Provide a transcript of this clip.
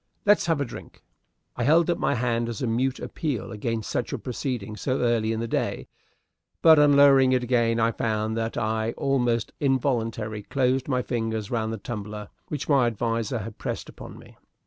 "Let's have a drink!" I held up my hand as a mute appeal against such a proceeding so early in the day; but on lowering it again I found that I almost involuntarily closed my fingers round the tumbler which my adviser had pressed upon me.